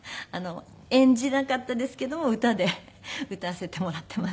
演じなかったですけども歌で歌わせてもらっています。